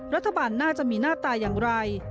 รัฐบาลน่าจะมีหน้าตาอย่างไร